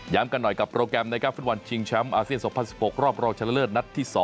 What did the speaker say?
กันหน่อยกับโปรแกรมนะครับฟุตบอลชิงแชมป์อาเซียน๒๐๑๖รอบรองชนะเลิศนัดที่๒